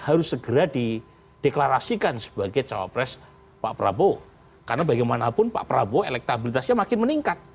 harus segera dideklarasikan sebagai cawapres pak prabowo karena bagaimanapun pak prabowo elektabilitasnya makin meningkat